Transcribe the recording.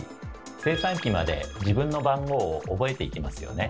精算機まで自分の番号を覚えていきますよね。